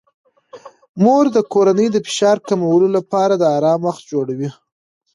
مور د کورنۍ د فشار کمولو لپاره د آرام وخت جوړوي.